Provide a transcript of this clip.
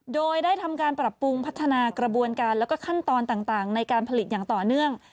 โดยได้ทำการปรับปรุงพัฒนากระบวนการแล้วก็ขั้นตอนต่างในการผลิตอย่างต่อเนื่อง